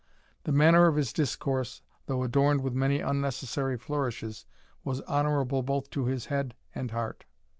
The matter of his discourse, though adorned with many unnecessary flourishes, was honourable both to his head and heart.